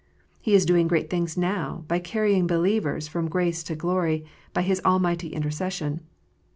He is doing great things now, by carrying believers from grace to glory, by His almighty intercession.